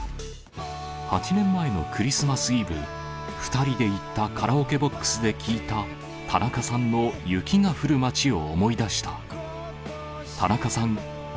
８年前のクリスマスイブ、２人で行ったカラオケボックスで聴いた、田中さんの雪が降る町を思い出した。